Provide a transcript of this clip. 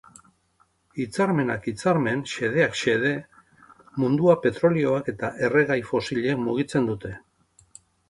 Hitzarmenak hitzarmen, xedeak xede, mundua petrolioak eta erregai fosilek mugitzen dute.